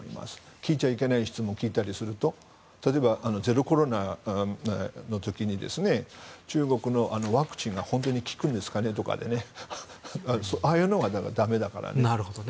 聞いちゃいけない質問を聞いたりすると例えばゼロコロナの時に中国のワクチンが本当に効くんですかね？とかああいうのが駄目だからね。